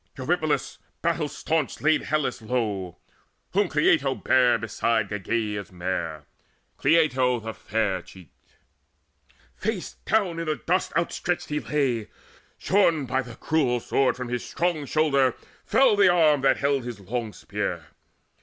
Eurypylus battle staunch laid Hellus low, Whom Cleito bare beside Gygaea's mere, Cleito the fair cheeked. Face down in the dust Outstretched he lay: shorn by the cruel sword From his strong shoulder fell the arm that held His long spear.